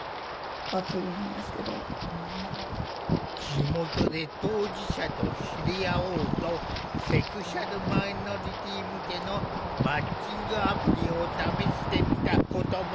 地元で当事者と知り合おうとセクシュアルマイノリティー向けのマッチングアプリを試してみたことも。